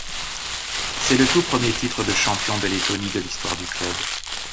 C'est le tout premier titre de champion de Lettonie de l'histoire du club.